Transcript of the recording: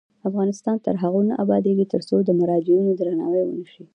افغانستان تر هغو نه ابادیږي، ترڅو د مراجعینو درناوی ونشي.